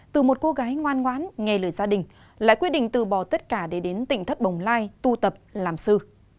từ một cô gái ngoan ngoãn nghe lời gia đình lại quyết định từ bỏ tất cả để đến tỉnh thất bồng lai tu tập làm sư